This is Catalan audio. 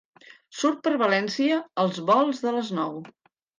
Surt per València als volts de les nou.